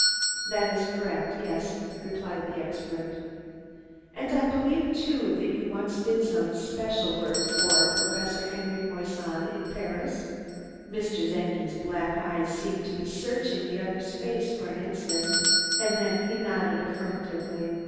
"That is correct, yes," replied the expert. "And I believe, too, that you once did some special work for Professor Henri Moissan in Paris?" Mr. Czenki's black eyes seemed to be searching the other's face for an instant, and then he nodded affirmatively.